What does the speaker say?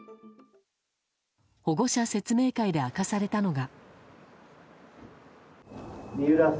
保護者説明会で明かされたのが。